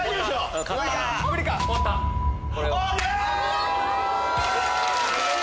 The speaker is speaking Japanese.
やった！